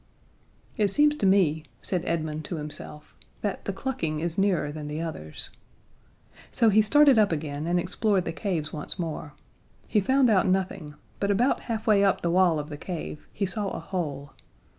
"It seems to me," said Edmund to himself, "that the clucking is nearer than the others." So he started up again and explored the caves once more. He found out nothing, but about halfway up the wall of the cave, he saw a hole.